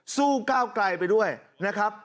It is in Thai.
ก้าวไกลไปด้วยนะครับ